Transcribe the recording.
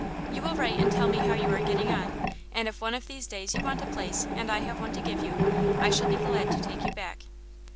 You will write and tell me how you are getting on, and if one of these days you want a place, and I have one to give you, I shall be glad to take you back."